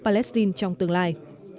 palestine trong tương lai